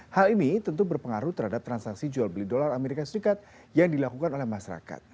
hal ini tentu berpengaruh terhadap transaksi jual beli dolar amerika serikat yang dilakukan oleh masyarakat